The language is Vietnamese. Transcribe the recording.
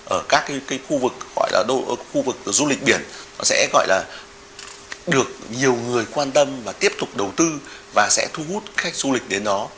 ở các khu vực gọi là khu vực du lịch biển sẽ gọi là được nhiều người quan tâm và tiếp tục đầu tư và sẽ thu hút khách du lịch đến đó